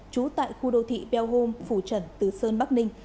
trú tại khu đô thị bell home phủ trần từ sơn bắc ninh